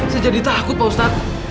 saya jadi takut pak ustadz